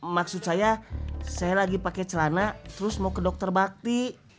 maksud saya saya lagi pakai celana terus mau ke dokter bakti